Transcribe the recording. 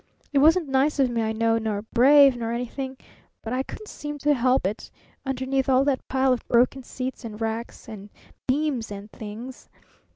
It wasn't nice of me, I know, nor brave, nor anything, but I couldn't seem to help it underneath all that pile of broken seats and racks and beams and things.